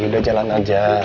udah jalan aja